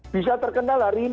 bisa terkenal hari ini